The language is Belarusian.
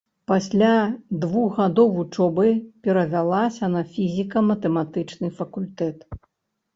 Пасля двух гадоў вучобы перавялася на фізіка-матэматычны факультэт.